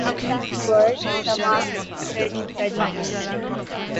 That world is a vastly cruddy, bloody bore!